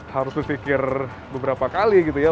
harus dipikir beberapa kali gitu ya